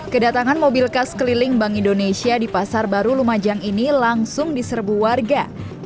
kedatangan mobil khas keliling bank indonesia di pasar baru lumajang ini langsung diserbu warga